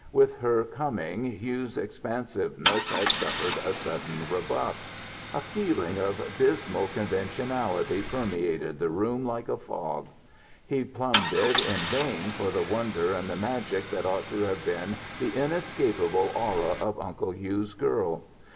With her coming Hugh's expansiveness had suffered a sudden rebuff. A feeling of dismal conventionality permeated the room like a fog. He plumbed it in vain for the wonder and the magic that ought to have been the inescapable aura of Uncle Hugh's girl.